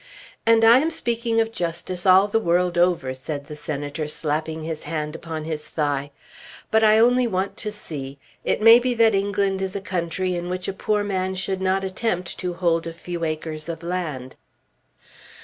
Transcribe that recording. "And I am speaking of justice all the world over," said the Senator slapping his hand upon his thigh. "But I only want to see. It may be that England is a country in which a poor man should not attempt to hold a few acres of land."